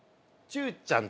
「ちゅーちゃん」？